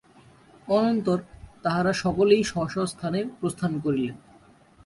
অনন্তর তাঁহারা সকলেই স্ব স্ব স্থানে প্রস্থান করিলেন।